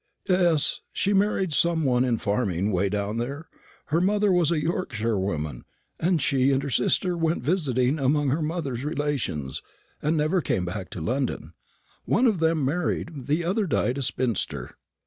"Yes, she married some one in the farming way down there. Her mother was a Yorkshirewoman, and she and her sister went visiting among her mother's relations, and never came back to London. One of them married, the other died a spinster."